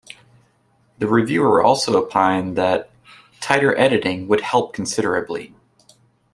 The reviewer also opined that "Tighter editing would help considerably".